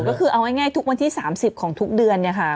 ก็คือเอาง่ายทุกวันที่๓๐ของทุกเดือนเนี่ยค่ะ